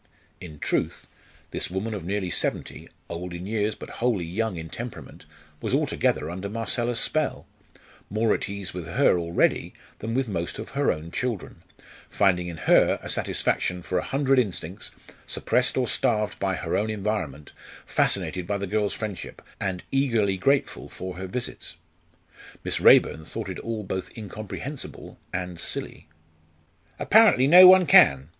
In truth, this woman of nearly seventy old in years, but wholly young in temperament was altogether under Marcella's spell more at ease with her already than with most of her own children, finding in her satisfaction for a hundred instincts, suppressed or starved by her own environment, fascinated by the girl's friendship, and eagerly grateful for her visits. Miss Raeburn thought it all both incomprehensible and silly. "Apparently no one can!"